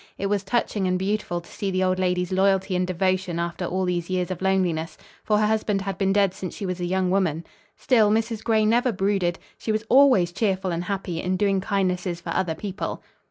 It was touching and beautiful to see the old lady's loyalty and devotion after all these years of loneliness; for her husband had been dead since she was a young woman. Still Mrs. Gray never brooded. She was always cheerful and happy in doing kindnesses for other people.